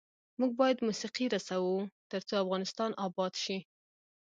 موږ باید موسیقي رسوو ، ترڅو افغانستان اباد شي.